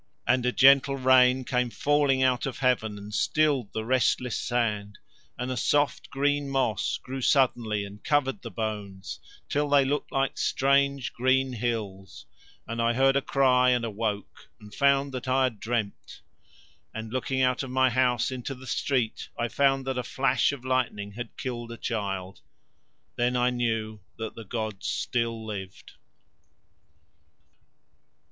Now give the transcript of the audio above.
And a gentle rain came falling out of heaven and stilled the restless sand, and a soft green moss grew suddenly and covered the bones till they looked like strange green hills, and I heard a cry and awoke and found that I had dreamed, and looking out of my house into the street I found that a flash of lightning had killed a child. Then I knew that the gods still lived.